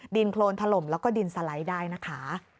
ดินโครนถล่มแล้วก็ดินสไลด์ได้นะคะ